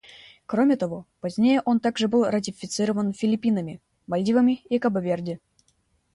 Кроме того, позднее он также был ратифицирован Филиппинами, Мальдивами и Кабо-Верде.